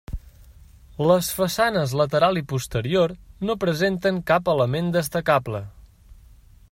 Les façanes lateral i posterior no presenten cap element destacable.